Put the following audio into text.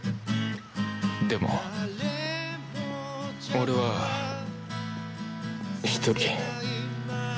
でも俺は一人